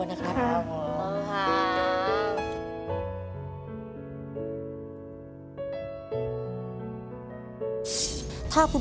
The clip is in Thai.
ขอให้คุณพระคุ้มครองและมีแต่สิ่งดีเข้ามาในครอบครัวนะครับ